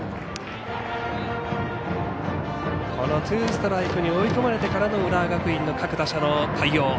ツーストライクに追い込まれてからの浦和学院の各打者の対応。